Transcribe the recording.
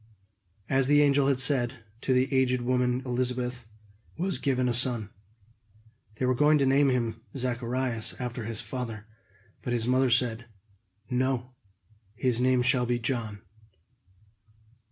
As the angel had said, to the aged woman Elizabeth was given a son. They were going to name him Zacharias, after his father. But his mother said: "No, his name shall be John."